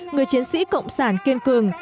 người chiến sĩ cộng sản kiên cường